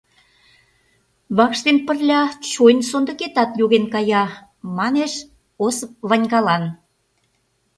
Вакш дене пырля чойн сондыкетат йоген кая, — манеш Осып Ванькалан.